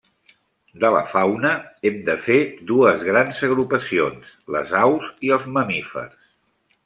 De la fauna hem de fer dues grans agrupacions: les aus i els mamífers.